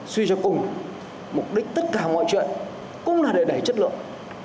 suy cho cùng mục đích tất cả mọi chuyện cũng là để đẩy chất lượng